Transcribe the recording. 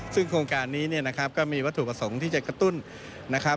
ซึ่งโครงการนี้เนี่ยนะครับก็มีวัตถุประสงค์ที่จะกระตุ้นนะครับ